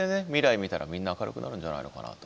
見たらみんな明るくなるんじゃないのかなと。